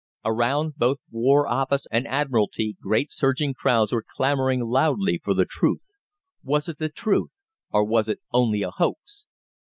Around both War Office and Admiralty great surging crowds were clamouring loudly for the truth. Was it the truth, or was it only a hoax?